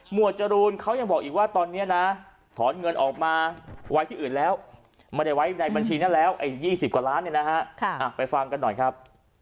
วดจรูนเขายังบอกอีกว่าตอนนี้นะถอนเงินออกมาไว้ที่อื่นแล้วไม่ได้ไว้ในบัญชีนั้นแล้วไอ้๒๐กว่าล้านเนี่ยนะฮะไปฟังกันหน่อยครับ